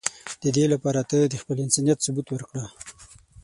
د دی لپاره ته د خپل انسانیت ثبوت ورکړه.